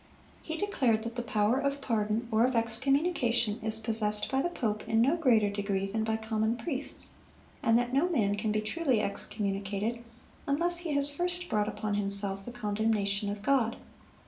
He declared that the power of pardon or of excommunication is possessed by the pope in no greater degree than by common priests, and that no man can be truly excommunicated unless he has first brought upon himself the condemnation of God.